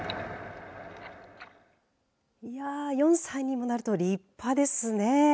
いや、４歳にもなると立派ですね。